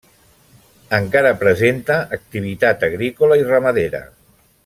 Encara presenta activitat agrícola i ramadera.